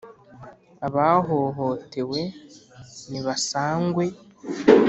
abahohotewe nibasangwe,